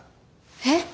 えっ！